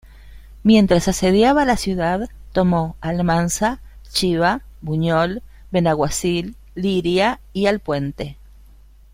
Mientras asediaba la ciudad tomó Almansa, Chiva, Buñol, Benaguacil, Liria y Alpuente.